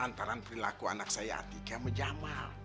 antara perilaku anak saya atika ama jamal